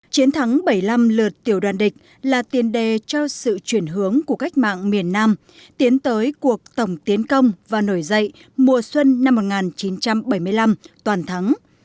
chiến thắng bảy mươi năm lượt tiểu đoàn địch là tiền đề cho sự chuyển hướng của cách mạng miền nam tiến tới cuộc tổng tiến công và nổi dậy mùa xuân năm một nghìn chín trăm bảy mươi năm toàn thắng